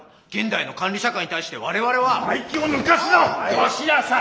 よしなさい！